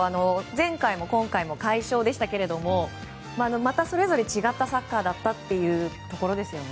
前回も今回も快勝でしたけどもまたそれぞれ違ったサッカーだったというところですよね。